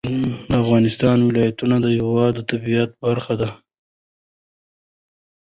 د افغانستان ولایتونه د هېواد د طبیعت برخه ده.